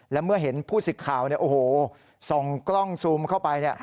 และเมื่อเห็นผู้สิทธิ์ข่าวส่องกล้องซูมเข้าไป